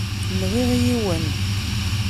Nɣiɣ yiwen.